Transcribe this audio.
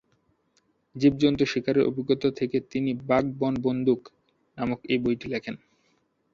জীবজন্তু শিকারের অভিজ্ঞতা থেকে তিনি "বাঘ-বন-বন্দুক"' নামক একটি বই লেখেন।